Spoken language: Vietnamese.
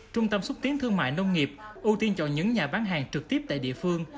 trung tâm xúc tiến thương mại nông nghiệp ưu tiên chọn những nhà bán hàng trực tiếp tại địa phương